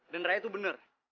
dan raya itu bener